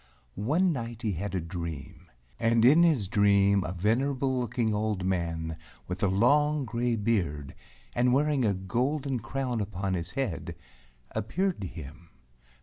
One night he had a dream, and in his dream a venerable looking old man with a long gray beard, and wearing a golden crown upon his head, appeared to him.